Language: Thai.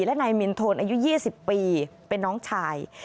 และไหนมินโทนอายุยี่สิบปีเป็นน้องชาย